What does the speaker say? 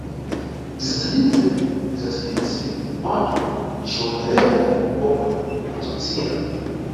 Ndindzathandize ndidzathandize wanthu ndiciwonerera pomwe matsotsiya.